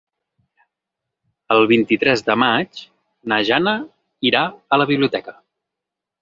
El vint-i-tres de maig na Jana irà a la biblioteca.